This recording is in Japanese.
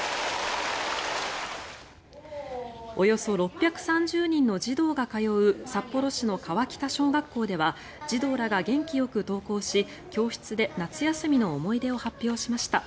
およそ６３０人の児童が通う札幌市の川北小学校では児童らが元気よく登校し教室で夏休みの思い出を発表しました。